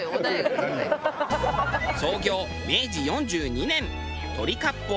創業明治４２年鳥割烹末げん。